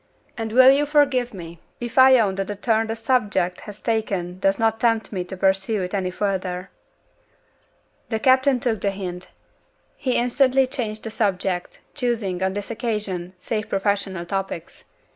And will you forgive me, if I own that the turn the subject has taken does not tempt me to pursue it any further?" The captain took the hint. He instantly changed the subject; choosing, on this occasion, safe professional topics.